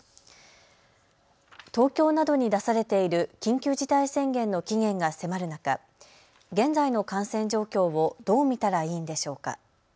東京などに出されている緊急事態宣言の期限が迫る中、現在の感染状況をどう見たらいいんでしょうか。